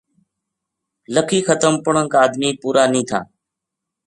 لَکھی ختم پڑھن کا ادمی پُورا نیہہ تھا